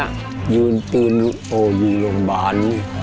ยืนตื่นโอ้ยยืนโรงบาล